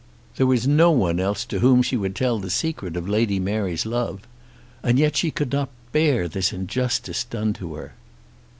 There was no one else to whom she would tell the secret of Lady Mary's love. And yet she could not bear this injustice done to her.